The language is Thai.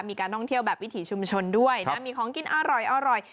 มีการท่องเที่ยวแบบวิถีชุมชนด้วยนะมีของกินอร่อย